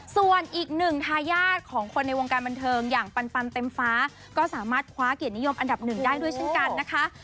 ส่วนอีกหนึ่งทายาทของคนในวงการบันเทิงอย่างปันเต็มฟ้าก็สามารถคว้าเกียรตินิยมอันดับหนึ่งได้ด้วยเช่นกันนะคะ